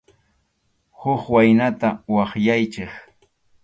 Huk waynata waqyaychik.